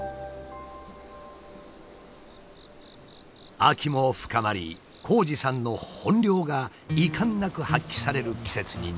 秋も深まり紘二さんの本領が遺憾なく発揮される季節になりました。